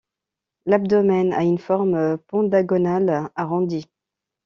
L'abdomen a une forme pentagonale arrondie.